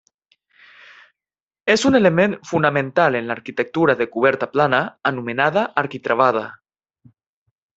És un element fonamental en l'arquitectura de coberta plana, anomenada arquitravada.